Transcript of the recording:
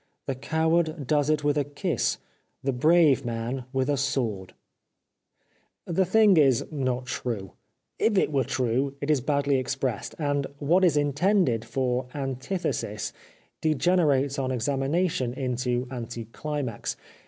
The coward does it with a kiss. The brave man with a sword !" The thing is not true ; if it were true it is badly expressed, and what is intended for an tithesis degenerates on examination into anti chmax.